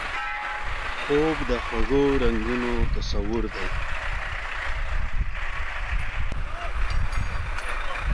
خوب د خوږو رنګونو تصور دی